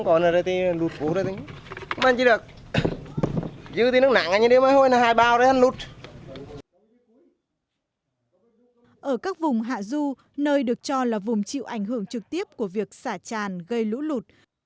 ở các vùng hạ du nơi được cho là vùng chịu ảnh hưởng trực tiếp của việc xả tràn gây lũ lụt